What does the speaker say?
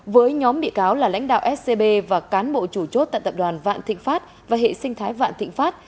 với nhóm bị cáo là lãnh đạo scb và cán bộ chủ chốt tại tập đoàn vạn thịnh pháp và hệ sinh thái vạn thịnh pháp